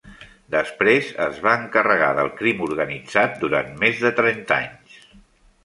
Després es va encarregar del crim organitzat durant més de trenta anys.